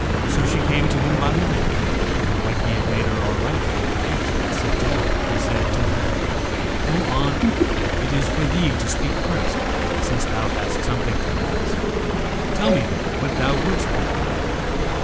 So she came to him by night and, when he had made her alight from her beast and sit down, he said to her, 'O aunt, it is for thee to speak first, since thou hast some thing to ask: tell me then what thou wouldst with me.'